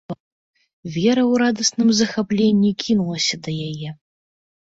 Вера ў радасным захапленні кінулася да яе.